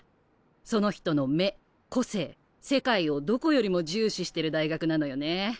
その人の目個性世界をどこよりも重視してる大学なのよね。